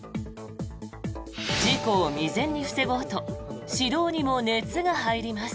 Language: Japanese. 事故を未然に防ごうと指導にも熱が入ります。